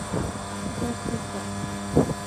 دا سور ده